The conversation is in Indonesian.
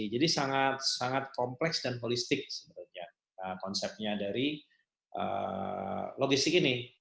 jadi sangat kompleks dan holistik sebenarnya konsepnya dari logistik ini